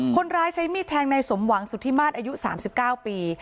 คนร้ายใช้มีดแทงในสมหวังสุธิมาตรอายุ๓๙ปี